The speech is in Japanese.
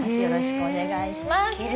よろしくお願いします。